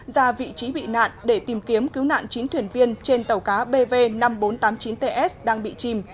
ra vị trí bị nạn để tìm kiếm cứu nạn chín thuyền viên trên tàu cá bv năm nghìn bốn trăm tám mươi chín ts đang bị chìm